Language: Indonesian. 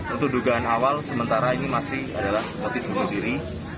untuk dugaan awal sementara ini masih adalah potipun diri